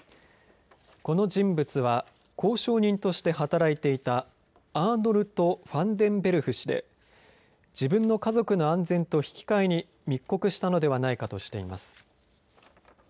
この人物は公証人として働いていたアーノルト・ファンデンベルフ氏で自分の家族の安全と引き換えに密告したのではないかとしています。